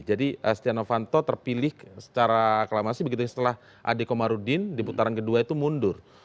jadi setia novanto terpilih secara aklamasi begitu setelah adekomarudin di putaran kedua itu mundur